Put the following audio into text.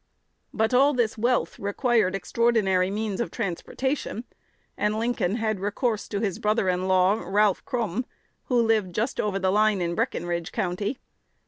But all this wealth required extraordinary means of transportation; and Lincoln had recourse to his brother in law, Ralph Krume, who lived just over the line, in Breckinridge County.